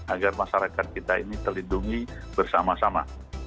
agar masyarakat kita ini terlindungi bersama sama